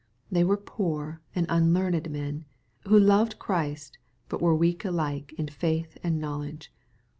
They were poor and unlearned men, who loved Christ, but were w^ak alike in faith and knowledge.